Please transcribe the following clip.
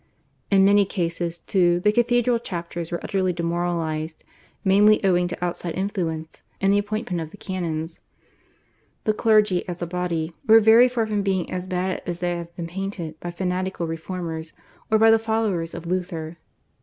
In many cases, too, the cathedral chapters were utterly demoralised, mainly owing to outside influence in the appointment of the canons. The clergy as a body were very far from being as bad as they have been painted by fanatical reformers or by the followers of Luther.